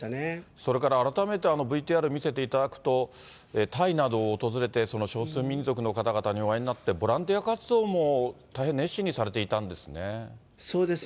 それから改めてＶＴＲ見せていただくと、タイなどを訪れて、少数民族の方々にお会いになって、ボランティア活動も大変熱心にされていたんですね。